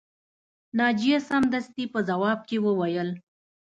ناجیه سمدستي په ځواب کې وویل